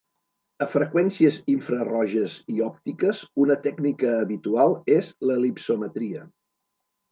A freqüències infraroges i òptiques, una tècnica habitual és l'elipsometria.